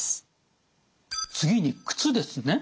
次に靴ですね。